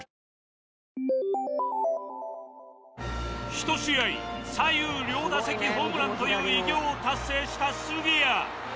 １試合左右両打席ホームランという偉業を達成した杉谷